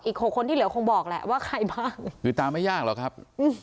หกคนที่เหลือคงบอกแหละว่าใครบ้างคือตามไม่ยากหรอกครับ